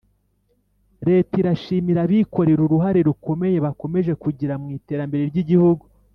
Leta irashimira abikorera uruhare rukomeye bakomeje kugira mu iterembere ryigihugu